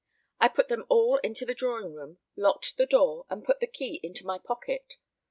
I put them all into the drawing room, locked the door, and put the key into my pocket.